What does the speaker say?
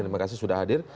terima kasih sudah hadir